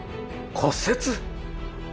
骨折！？